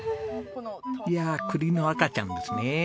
いやあ栗の赤ちゃんですね。